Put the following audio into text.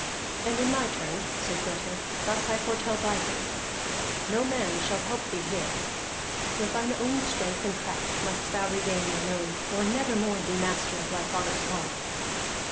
"And in my turn," said Grettir, "thus I foretell thy fate. No man shall help thee here. With thine own strength and craft must thou regain thine own, or never more be master of thy fathers hall!"